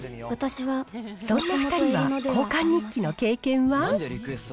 そんな２人は交換日記の経験は？